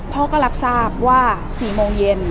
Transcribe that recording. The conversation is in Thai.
พ่อก็รับทราบว่า๔โมงเย็น